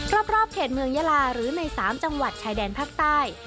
รอบเขตเมืองยาลาหรือใน๓จังหวัดชายแดนภาคใต้